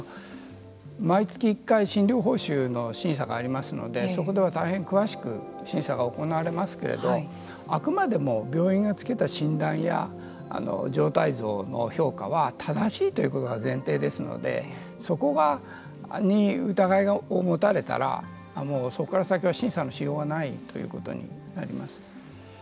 毎月１回診療報酬の審査がありますのでそこでは大変詳しく審査が行われますけどあくまでも病院がつけた診断や状態像の評価は正しいということが前提ですのでそこに疑いを持たれたらもうそこから先は審査のしようがないということになります。